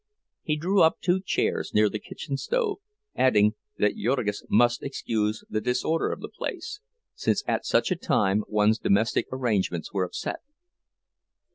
He drew up two chairs near the kitchen stove, adding that Jurgis must excuse the disorder of the place, since at such a time one's domestic arrangements were upset.